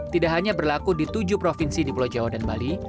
tidak hanya berlaku di tujuh provinsi di pulau jawa dan bali